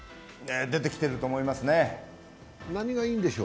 出てきてると思いますね。